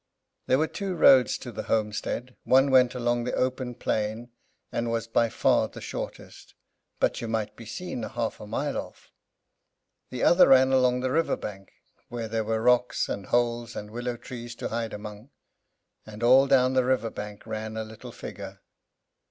There were two roads to the homestead. One went along the open plain, and was by far the shortest; but you might be seen half a mile off. The other ran along the river bank, where there were rocks, and holes, and willow trees to hide among. And all down the river bank ran a little figure.